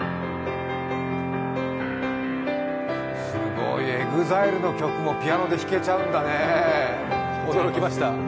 すごいＥＸＩＬＥの曲もピアノで弾けちゃうんだね、驚きました。